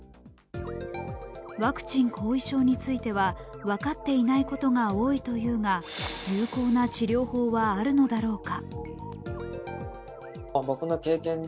ワクチン後遺症については分かっていないことが多いというが有効な治療法はあるのだろうか。